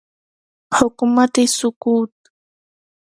حکومت سقوط